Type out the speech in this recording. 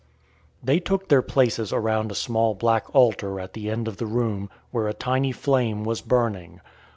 They took their places around a small black altar at the end of the room, where a tiny flame was burning.